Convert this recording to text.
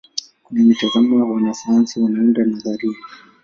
Kutoka mitazamo wanasayansi wanaunda nadharia.